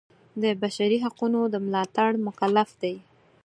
د بشري حقونو د ملاتړ مکلف دی.